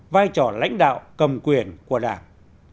vai trò lãnh đạo cầm quyền của đảng